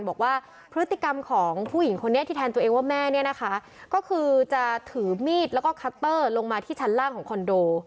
บอกว่าพฤติกรรมของผู้หญิงคนนี้ที่แทนตัวเองว่าแม่เนี่ยนะคะก็คือจะถือมีดแล้วก็คัตเตอร์ลงมาที่ชั้นล่างของคอนโด